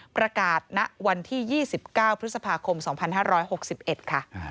ประกาศณวันที่ยี่สิบเก้าพฤษภาคมสองพันห้าร้อยหกสิบเอ็ดค่ะ